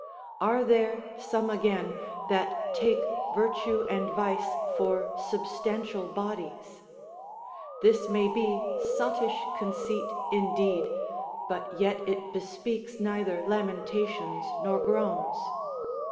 Are there some again, that take virtue and vice for substantial bodies ? This may be sottish conceit indeed, but yet it bespeaks neither lamentations nor groans.